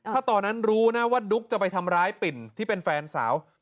ถ้าตอนนั้นรู้นะว่าดุ๊กจะไปทำร้ายปิ่นที่เป็นแฟนสาว